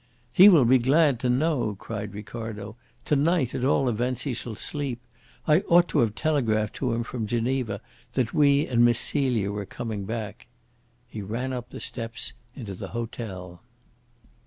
"He will be glad to know!" cried Ricardo. "To night, at all events, he shall sleep. I ought to have telegraphed to him from Geneva that we and Miss Celia were coming back." He ran up the steps into the hotel.